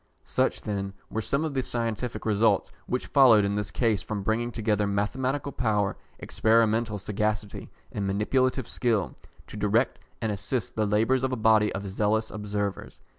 Such, then, were some of the scientific results which followed in this case from bringing together mathematical power, experimental sagacity, and manipulative skill, to direct and assist the labours of a body of zealous observers.